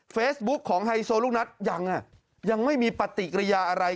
ฟิเซบุกของฮัยโซลูกนัดยังไหมยังไม่มีปติกระยาอะไร